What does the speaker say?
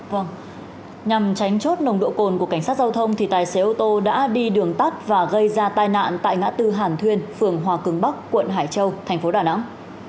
vâng nhằm tránh chốt nồng độ cồn của cảnh sát giao thông thì tài xế ô tô đã đi đường tắt và gây ra tai nạn tại ngã tư hàn thuyên phường hòa cường bắc quận hải châu thành phố đà nẵng